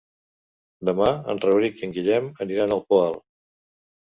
Demà en Rauric i en Guillem aniran al Poal.